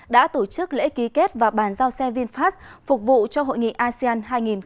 đã tổ chức lễ ký kết và bàn giao xe vinfast phục vụ cho hội nghị asean hai nghìn hai mươi